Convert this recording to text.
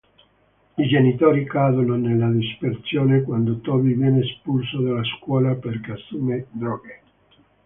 I genitori cadono nella disperazione quando Toby viene espulso dalla scuola perché assume droghe.